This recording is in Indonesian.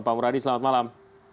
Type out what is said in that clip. pak muradi selamat malam